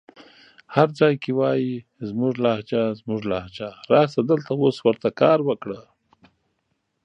هر ځای کې وايې زموږ لهجه زموږ لهجه راسه دلته اوس ورته کار وکړه